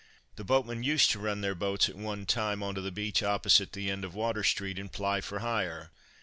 The boatmen used to run their boats at one time on the beach opposite the end of Water street and ply for hire.